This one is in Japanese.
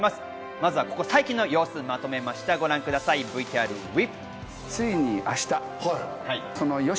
まずはここ最近の様子をまとめました、ＶＴＲＷＥ！